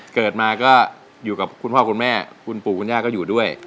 เกิดมาก็อยู่กับคุณพ่อคุณแม่คุณปู่คุณย่าก็อยู่ด้วย